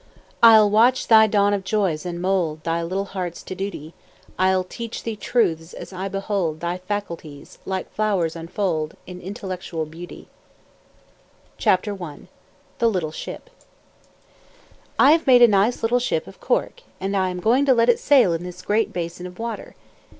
1849. [Publication date on cover: 1850] I'll watch thy dawn of joys, and mould Thy little hearts to duty, I'll teach thee truths as I behold Thy faculties, like flowers, unfold In intellectual beauty. [Illustration: The Little Ship.] The Little Ship. "I have made a nice little ship, of cork, and am going to let it sail in this great basin of water.